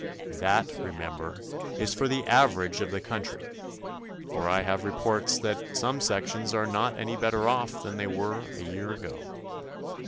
That, remember, is for the average of the country, for I have reports that some sections are not any better off than they were a year ago.